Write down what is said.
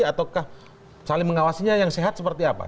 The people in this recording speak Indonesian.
ataukah saling mengawasinya yang sehat seperti apa